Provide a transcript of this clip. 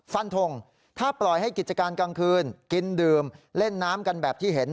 ฟันทงถ้าปล่อยให้กิจการกลางคืนกินดื่มเล่นน้ำกันแบบที่เห็น